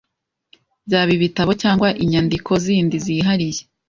byaba ibitabo cyangwa inyandiko zindi zihariye.